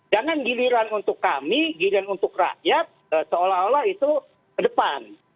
jangan giliran untuk kami giliran untuk rakyat seolah olah itu ke depan